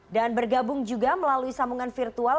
dan bergabung juga melalui sambungan virtual